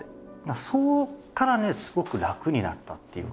そこからねすごく楽になったっていうか。